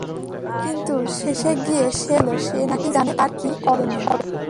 কিন্তু শেষে গিয়ে, সে বলেছিল সে নাকি জানে তার কী করণীয়।